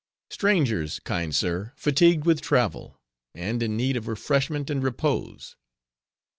"Strangers, kind sir, fatigued with travel, and in need of refreshment and repose."